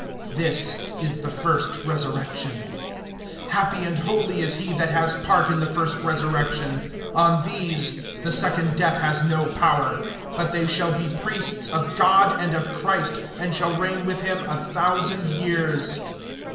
This is the first resurrection. (6)Happy and holy is he that has part in the first resurrection; on these the second death has no power, but they shall be priests of God and of Christ, and shall reign with him a thousand years.